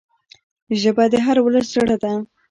ژبه د هر ولس زړه ده